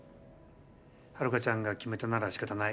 ハルカちゃんが決めたならしかたない。